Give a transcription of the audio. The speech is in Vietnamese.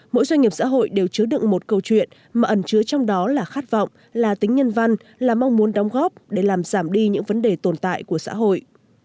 mỗi doanh nghiệp xã hội đều chứa đựng một câu chuyện mà ẩn chứa trong đó là khát vọng là tính nhân văn là mong muốn đóng góp để làm giảm đi những vấn đề tồn tại của xã hội